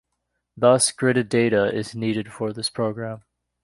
Thus, gridded data is needed for this program.